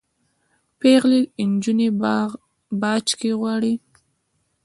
پیغلي نجوني باج کي غواړي